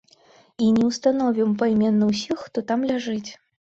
І не ўстановім пайменна ўсіх, хто там ляжыць.